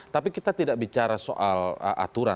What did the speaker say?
tapi kita tidak bicara soal aturan